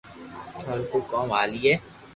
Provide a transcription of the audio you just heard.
ٺاو تو ڪوم ھالئي